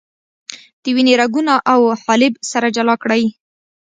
د وینې رګونه او حالب سره جلا کړئ.